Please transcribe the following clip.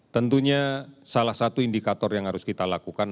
tentunya salah satu indikator yang harus kita lakukan